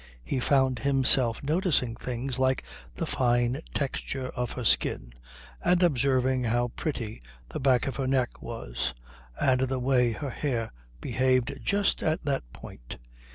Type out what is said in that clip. He found himself noticing things like the fine texture of her skin, and observing how pretty the back of her neck was and the way her hair behaved just at that point.